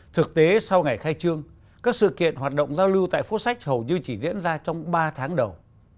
thực tế sau ngày khai trương các sự kiện hoạt động giao lưu tại phố sách hầu như chỉ diễn ra trong ba tháng đầu